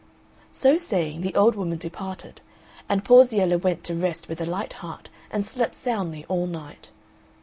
So saying, the old woman departed, and Porziella went to rest with a light heart and slept soundly all night.